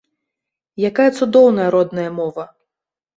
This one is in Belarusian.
Якая цудоўная родная мова!